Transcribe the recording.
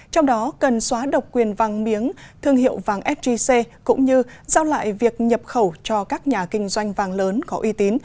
trong đó cần xóa độc quyền vàng miếng thương hiệu vàng sgc cũng như giao lại việc nhập khẩu cho các nhà kinh doanh vàng lớn có uy tín